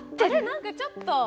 何かちょっと。